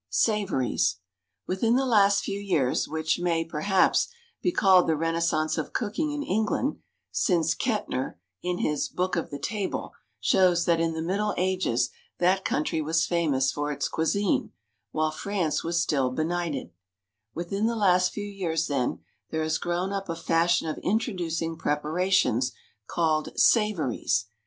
Savories. Within the last few years, which may, perhaps, be called the renaissance of cooking in England, since Kettner, in his "Book of the Table," shows that in the Middle Ages that country was famous for its cuisine, while France was still benighted within the last few years, then, there has grown up a fashion of introducing preparations called savories.